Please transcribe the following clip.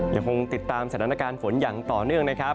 ยังคงติดตามสถานการณ์ฝนอย่างต่อเนื่องนะครับ